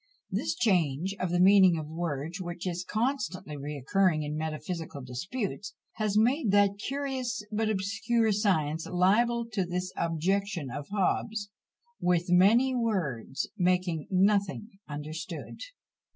This change of the meaning of words, which is constantly recurring in metaphysical disputes, has made that curious but obscure science liable to this objection of Hobbes, "with many words making nothing understood!"